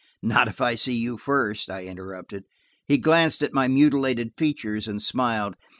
"Not if I see you first," I interrupted. He glanced at my mutilated features and smiled.